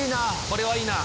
「これはいいな」